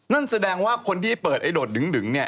นั่นแสดงว่าคนที่เปิดโดดดึง